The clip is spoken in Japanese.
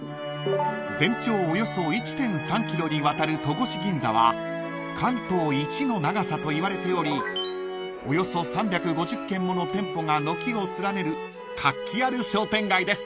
［全長およそ１．３ｋｍにわたる戸越銀座は関東一の長さといわれておりおよそ３５０軒もの店舗が軒を連ねる活気ある商店街です］